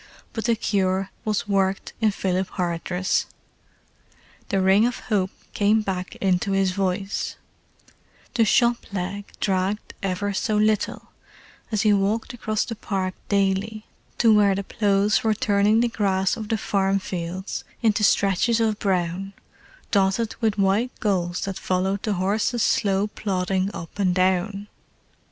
But the cure was worked in Philip Hardress. The ring of hope came back into his voice: the "shop leg" dragged ever so little, as he walked across the park daily to where the ploughs were turning the grass of the farm fields into stretches of brown, dotted with white gulls that followed the horses' slow plodding up and down.